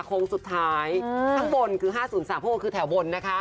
โค้งสุดท้ายอืมข้างบนคือห้าศูนย์สามพวกคือแถวบนนะคะค่ะ